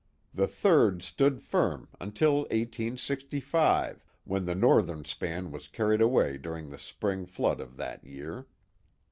The third stood firm until 1S65, when the northern span was carried away during the spring flood of that year.